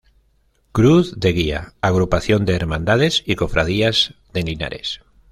Cruz de Guía agrupación de Hermandades y Cofradías de Linares.